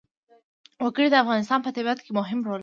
وګړي د افغانستان په طبیعت کې مهم رول لري.